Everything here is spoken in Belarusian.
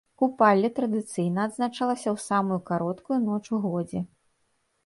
Купалле традыцыйна адзначалася ў самую кароткую ноч у годзе.